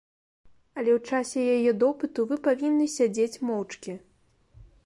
Але ў часе яе допыту вы павінны сядзець моўчкі.